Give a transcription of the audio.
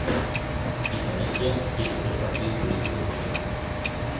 Indonesia tiene tres partidos políticos importantes.